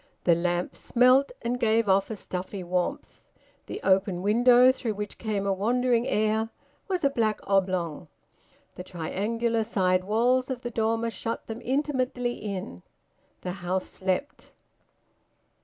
The lamp smelt, and gave off a stuffy warmth; the open window, through which came a wandering air, was a black oblong; the triangular side walls of the dormer shut them intimately in; the house slept.